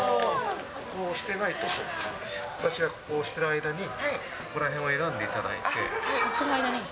ここを、私が押してる間に、ここらへんを選んでいただいて。